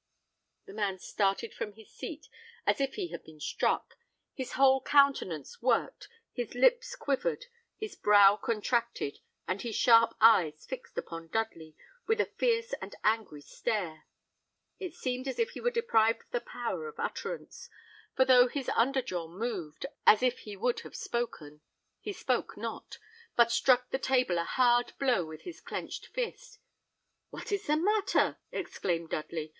The man started from his seat as if he had been struck; his whole countenance worked, his lips quivered, his brow contracted, and his sharp eyes fixed upon Dudley, with a fierce and angry stare. It seemed as if he were deprived of the power of utterance, for though his under jaw moved, as if he would have spoken, he spoke not, but struck the table a hard blow with his clenched fist. "What is the matter?" exclaimed Dudley.